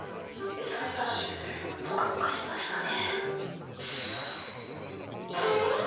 それがポカポカしましたね。